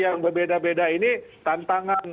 yang berbeda beda ini tantangan